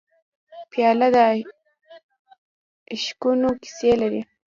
پیاله د عشقونو کیسې لري.